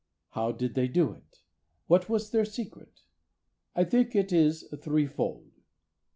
How did they do it? What was their secret? I think it is threefold.